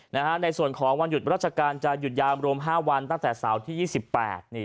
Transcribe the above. ในส่วนของวันหยุดรัชการจะหยุดยามรวม๕วันตั้งแต่เสาร์ที่๒๘